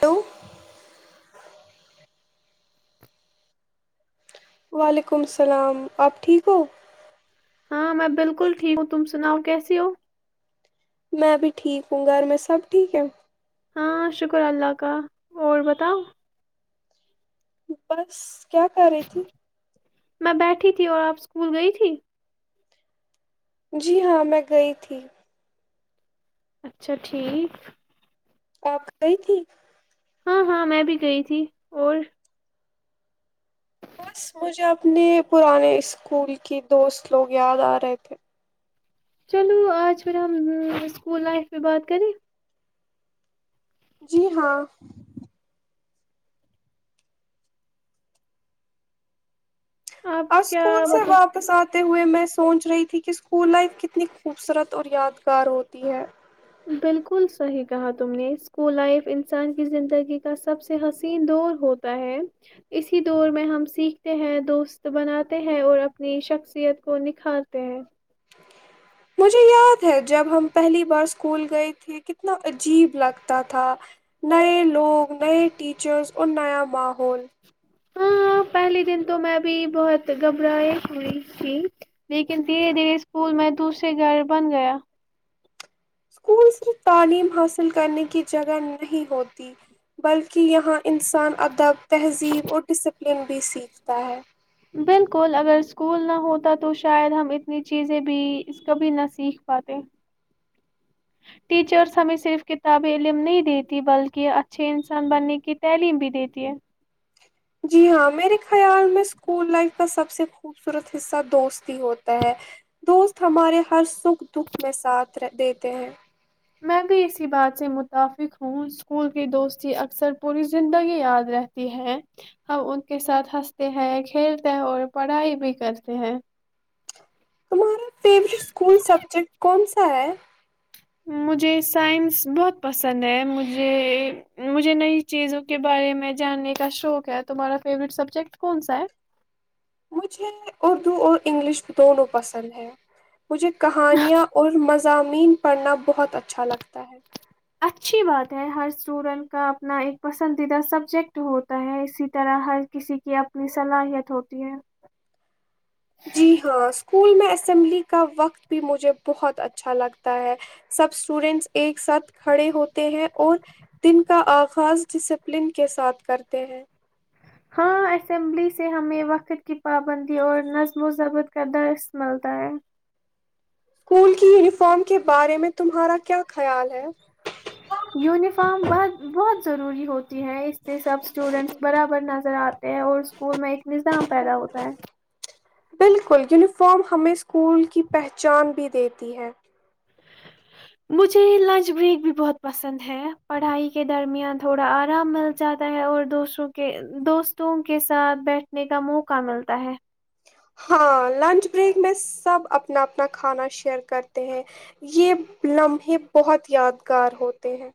to [unintelligible] وعلیکم السلام آپ ٹھیک ہو ہاں میں بالکل ٹھیک ہوں تم سناؤ کیسی ہو میں بھی ٹھیک ہوں گھر میں سب ٹھیک ہے ہاں شکر اللہ کا اور بتاؤ بس کیا کر رہی تھی میں بیٹھی تھی اور آپ اسکول گئی تھی جی ہاں میں گئی تھی اچھا ٹھیک آپ گئی تھی ہاں ہاں میں بھی گئی تھی اور بس مجھے اپنے پرانے اسکول کی دوست لوگ یاد آ رہے تھے چلو آج پھر ہم اسکول لائف میں بات کریں جی ہاں آپ اور کیا اسکول سے بتا واپس آتے ہوئے میں سوچ رہی تھی کہ اسکول لائف کتنی خوبصورت اور یادگار ہوتی ہے بالکل صحیح کہا تم نے اسکول لائف انسان کی زندگی کا سب سے حسین دور ہوتا ہے اسی دور میں ہم سیکھتے ہیں دوست بناتے ہیں اور اپنی شخصیت کو نکھارتے ہیں مجھے یاد ہے جب ہم پہلی بار اسکول گئے تھے کتنا عجیب لگتا تھا نئے لوگ نئے ٹیچرس اور نیا ماحول ہاں پہلے دن تو میں بھی بہت گھبراہ ہوئی تھی لیکن دھیرے دھیرے اسکول میں دوسرے گھر بن گیا اسکولس کی تعلیم حاصل کرنے کی جگہ نہیں ہوتی بلکہ یہاں انسان ادب تہذیب اور ڈسپ سلن بھی سیکھتا ہے بالکل اگر اسکول نہ ہوتا تو شاید ہم اتنی چیزیں بھی کبھی نہ سیکھ پاتے ٹیچرس ہمیں صرف کتاب علم نہیں دیتی بلکہ اچھے انسان بننے کی تعلیم بھی دیتی ہے جی ہاں میرے خیال میں اسکول لائف کا سب سے خوبصورت حصہ دوست ہی ہوتا ہے دوست ہمارے ہر سکھ دکھ میں ساتھ دیتے ہیں میں بھی اسی بات سے متفق ہوں اسکول کی دوستی اکثر پوری زندگی یاد رہتی ہے ہم ان کے ساتھ ہنستے ہیں کھیلتے ہیں اور پڑھائی بھی کرتے ہیں تمہارا س [unintelligible] مجھے سائنس بہت پسند ہے مجھے مجھے نئی چیزوں کے بارے میں جاننے کا شوق ہے تمہارا فیوریٹ سبجیکٹ کون سا ہے مجھے اردو اور انگلش دونوں پسند ہے مجھے کہانیاں اور مز زضامین پڑھنا بہت اچھا لگتا ہے اچھی بات ہے ہر اسٹوڈنٹ کا اپنا ایک پسندیدہ سبجیکٹ ہوتا ہے اسی طرح ہر کسی کی اپنی صلاحیت ہوتی ہے جی ہاں اسکول میں اسمبلی کا وقت بھی مجھے بہت اچھا لگتا ہے سب اسٹوڈینٹس ایک ساتھ کھڑے ہوتے ہیں اور دن کا آغاز ڈسپلن کے ساتھ کرتے ہیں ہاں اسمبلی سے ہمیں وقت کی پابندی اور نظم و ضبط کا درث ملتا ہے اسکول کی یونیفارم کے بارے میں تمہارا کیا خیال ہے یونیفارم بہت بہت ضروری ہوتا ہیں اس سے سب اسٹوڈینٹس برابر نظر آتے ہیں اور اسکول میں ایک نظام پیدا ہوتا ہے بالکل یونیفارم ہمیں اسکول کی پہچان بھی دیتی ہے مجھے لنچ بریک بھی بہت پسند ہے پڑھائی کے درمیان تھوڑا آرام مل جاتا ہے اور دوستوں کے دوستوں کے ساتھ بیٹھنے کا موقع ملتا ہے ہاں لنچ بریک میں سب اپنا اپنا کھانا شیئر کرتے ہیں یہ لمحے بہت یادگار ہوتے ہیں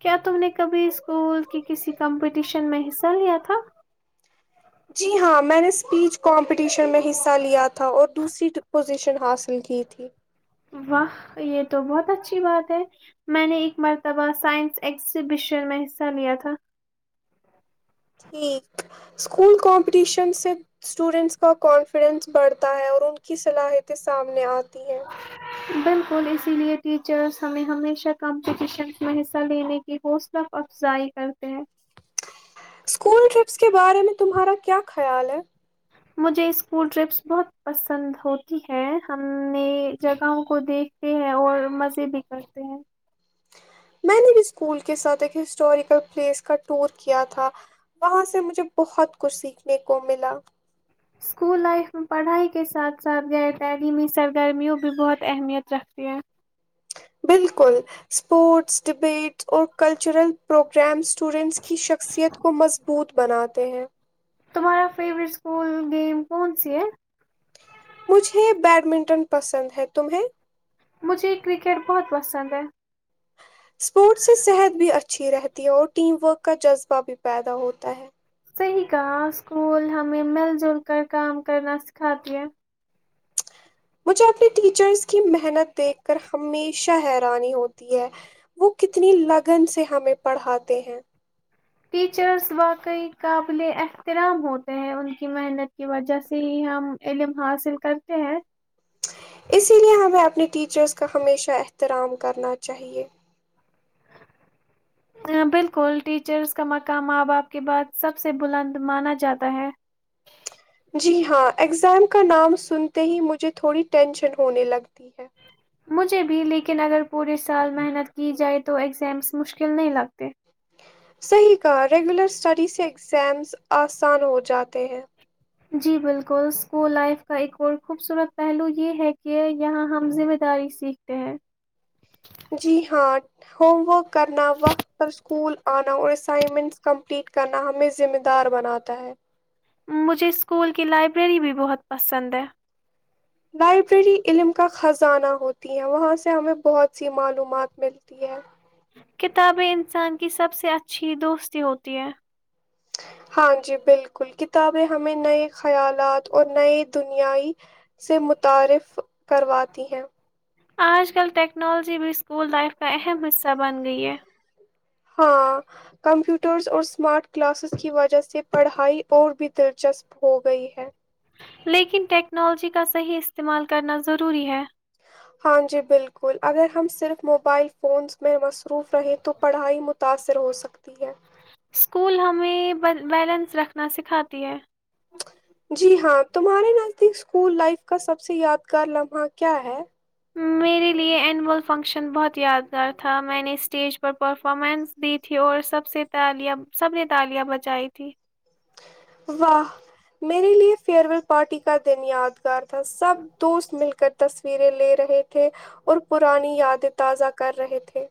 کیا تم نے کبھی اسکول کی کسی کمپٹیشن میں حصہ لیا تھا جی ہاں میں نے اسپیچ کمپٹیشن میں حصہ لیا تھا اور دوسری پوزیشن حاصل کی تھی واہ یہ تو بہت اچھی بات ہے میں نے ایک مرتبہ سائنس اگزیبیشن میں حصہ لیا تھا ٹھیک اسکول کمپٹیشن سے اسٹوڈنٹس کا کانفیڈنس بڑھتا ہے اور ان کی صلاحیتیں سامنے آتی ہیں بالکل اسی لیے ٹیچرس ہمیں ہمیشہ کمپٹیشن میں حصہ لینے کی حوصلہف افزائی کرتے ہیں اسکول ٹرپس کے بارے میں تمہارا کیا خیال ہے مجھے اسکول ٹرپس بہت پسند ہوتی ہے ہم نے جگہوں کو دیکھتے ہیں اور مزے بھی کرتے ہیں میں نے بھی اسکول کے ساتھ ایک ہسٹوریکل پلیس کا ٹور کیا تھا وہاں سے مجھے بہت کچھ سیکھنے کو ملا اسکول لائف میں پڑھائی کے ساتھ ساتھ غیر تعلیمی سرگرمیوں بھی بہت اہمیت رکھتے ہیں بالکل اسپورٹس ڈبیٹس اور کلچرل پروگرامس اسٹوڈینٹس کی شخصیت کو مضبوط بناات ت ہیں تمہارا فیوریٹ اسکول گیم کون سی ہے مجھے بیڈمنٹن پسند ہے تمہیں مجھے کرکٹ بہت پسند ہے اسپورٹس سے صحت بھی اچھی رہتی ہے اور ٹیم ورک کا جذبہ بھی پیدا ہوتا ہے صحیح کہا اسکول ہمیں مل جل کر کام کرنا سکھاتی ہے مجھے اپنے ٹیچرس کی محنت دیکھ کر ہمیشہ حیرانی ہوتی ہے وہ کتنی لگن سے ہمیں پڑھاتے ہیں ٹیچرس واقعی قابل احترام ہوتے ہیں ان کی محنت کی وجہ سے ہی ہم علم حاصل کرتے ہیں اسی لیے ہمیں اپنے ٹیچرز کا ہمیشہ احترام کرنا چاہیے ہ بالکل ٹیچرس کا مقام آاں آپ کے بعات سب سے بلند مانا جاتا ہے جی ہاں اگزام کا نام سنتے ہی مجھے تھوڑی ٹینشن ہونے لگتی ہے مجھے بھی لیکن اگر پورے سال محنت کی جائے تو ایگزامس مشکل نہیں لگتے صحیح کہا ریگولر سٹڈی سے ایگزامز آسان ہو جاتے ہیں جی بالکل اسکول لائف کا ایک اور خوبصورت پہلو یہ ہے کہ یہاں ہم ذمہ داری سیکھتے ہیں جی ہاں ہوم ورک کرنا وقت پر اسکول آنا اور اسائنمنٹس کمپلیٹ کرنا ہمیں ذمہ دار بناتا ہے مجھے اسکول کی لائبریری بھی بہت پسند ہے لائبریری علم کا خزانہ ہوتی ہے وہاں سے ہمیں بہت سی معلومات ملتی ہے کتابیں انسان کی سب سے اچھی دوستی ہوتی ہے ہاں جی بالکل کتابیں ہمیں نئے خیالات اور نئی دنیا ئی سے متعارف کرواتی ہیں آج کل ٹیکنالوجی بھی اسکول لائف کا اہم حصہ بن گئی ہے ہاں کمپیوٹرز اور اسمارٹ کلاسز کی وجہ سے پڑھائی اور بھی دلچسپ ہو گئی ہے لیکن ٹیکنالوجی کا صحیح استعمال کرنا ضروری ہے ہاں جی بالکل اگر ہم صرف موبائل فونس میں م وف رہے تو پڑھائی م متاثر ہو سکتی ہے اسکول ہمیں بیلنس رکھنا سکھاتی ہے جی ہاں تمہارے نزدیک اسکول لائف کا سب سے یادگار لمحہ کیا ہے میرے لیے اینول فنکشن بہت یادگار تھا میں نے اسٹیج پر پرفارمنس دی تھی اور سب سے تالیاں سب نے تالیاں بجائی تھھی واہ میرے لیے فیئر ویل پارٹی کا دن یاد تھا سب دوست مل کر تصویریں لے رہے تھے اور پرانی یادیں تازہ کر رہے تھے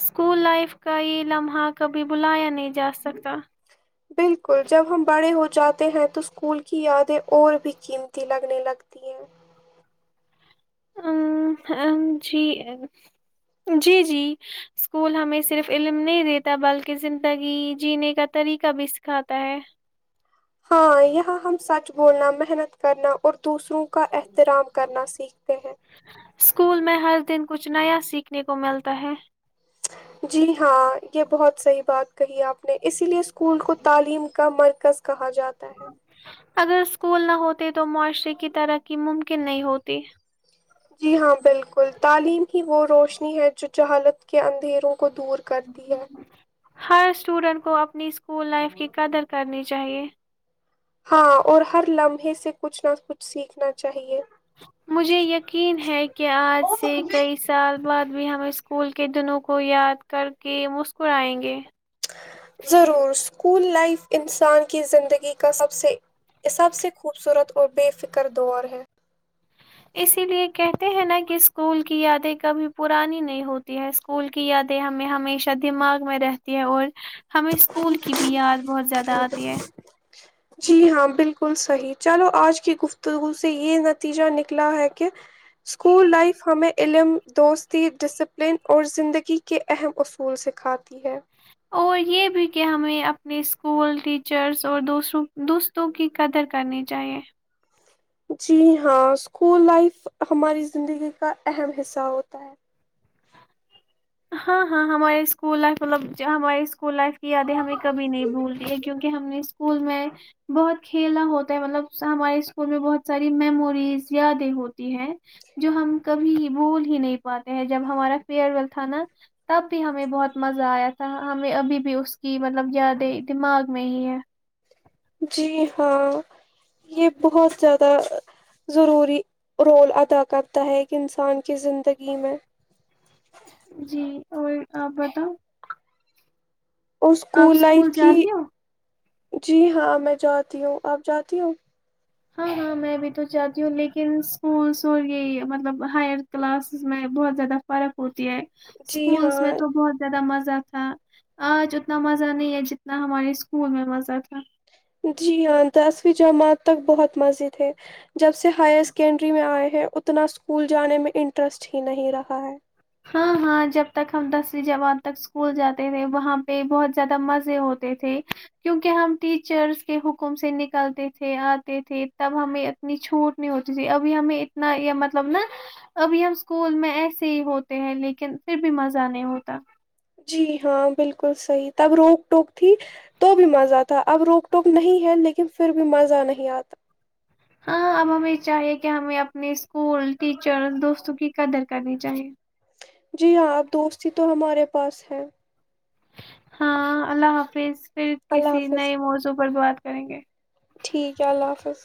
اسکول لائف کا یہ لمحہ کبھی بلایا نہیں جاسکتا بالکل جب ہم بڑے ہوتے جاتے ہیں تو اسکول کی یادیں اور بھی قیمتی لگنے لگتی ہیں جی جی جی اسکول ہمیں صرف علم نہیں دیتا بلکہ زندگی جینے کا طریقہ بھی سکھاتا ہے ہاں یہاں ہم سچ بولنا محنت کرنا اردو دوسروں کا احترام کرنا سیکھتے ہیں اسکول میں ہر دن کچھ نیا سیکھنے کو ملتا ہے جی ہاں یہ بہت صحیح بات کہی آپ نے اسی لیے اسکول کو تعلیم کا مرکز کہا جاتا ہے اگر اسکول نہ ہوتے تو معاشرے کی ترقی ممکن نہیں ہوتی جی ہاں بالکل تعلیم کی وہ روشنی ہے جو جہالت کے اندھیروں کو دور کرتی ہے ہر اسٹوڈنٹ کو اپنی اسکول لائف کی قدر کرنی چاہئے ہاں اور ہر لمحے سے کچھ نہ کچھ سیکھنا چاہیے مجھے یقین ہے کہ آج سے کئی سال بعد بھی ہم اسکول کے دنوں کو یاد کر کے مسکریں گے ضرور اسکول لائف انسان کی زندگی کا سب سے خوبصورت اور بے فکر دور ہے اسی لیے کہ ہیں ن کہ اسکول کی یادیں کبھی پرانی نہیں ہوتی ہے اسکول کی یادیں ہمیں ہمیشہ دماغ میں رہتی ہے اور ہمیں اسکول کی بھی یاد بہت زیادہ آتی ہے جی ہاں بالکل صحیح چلو آج کی گفتگو سے یہ نتیجہ نکلا ہے کہ اسکول لائف ہمیں علم دوستی ڈسپلن اور زندگی کے اہم اصول سکھاتی ہے اور یہ بھی کہ ہمیں اپنے اسکول ٹیچرس اور دوسروں دوستوں کی قدر کرنی چاہیے جی ہاں اسکول لائف ہماری زندگی کا اہم حصہ ہوتا ہے ہاں ہاں ہمارے اسکول لائف مطلب ہمارے اسکول لائف کی یادیں ہمیں کبھی نہیں بھولتی ہے کیونکہ ہم نے اسکول میں بہت کھیلا ہوتا ہے مطلب ہمارے اسکول میں بہت ساری میموریز یادیں ہوتی ہے جو ہم کبھی بھول ہی نہیں پاتے ہیں جب ہمارا فیئر ویل تھا نا تب بھی ہمیں بہت مزہ آیا تھا ہمیں ابھی بھی اس کی مطلب یادیں دماغ میں ہی ہے جی ہاں یہ بہت زیادہ ضروری رول ادا کرتا ہے کہ انسان کی زندگی میں جی اور آپ بتاؤ اور آپ اسکولول اسکول لائف کی جاتی ہو جی ہاں میں جاتی ہوں آپ جاتی ہوں ہاں ہاں میں بھی تو جاتی ہوں لیکن اسکولس اور یہ مطلب ہائر کلاسز میں بہت زیادہ فرق ہوتا جی اسکولس ہاں میں تو بہت زیادہ مز مزہ تھا آج اتنا مزہ نہیں ہے جتنا ہمارے اسکول میں مزہ تھا جی ہاں دسویں جماعت تک بہت مزیدد ہے جب سے ہائر سیکنڈری میں آئے ہیں اتنا اسکول جانے میں انٹرسٹ ہی نہیں رہا ہے ہاں ہاں جب تک ہم دسویں جان تک اسکول جاتے تھے وہاں پہ بہت زیادہ مزے ہوتے تھے کیونکہ ہم ٹیچرس کے حکم سے نکلتے تھے آتے تھے تب ہمیں اتنی چھوٹ نہیں ہوتی تھی ابھی ہمیں اتنا یہ مطلب نا ابھی ہم اسکول میں ایسے ہی ہو ہیں لیکن پھر بھی مزہ نہیں ہوتا جی ہاں بالکل صحیح تب روک ٹوک تھی تو بھی مزہ تھا اب روک ٹوک نہیں ہے لیکن پھر بھی مزہ نہیں آتا ہاں اب ہمیں چاہیے کہ ہمیں اپنے اسکول ٹیچر دوستوں کی قدر کرنی چاہیے جی ہاں اب دوستی تو ہمارے پاس ہے ہاں اللہ حافظ پھر اللہ کسی حافظ نئے موضوع پر بات کریں گے ٹھیک ہے اللہ حافظ